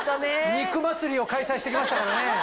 肉祭りを開催して来ましたからね。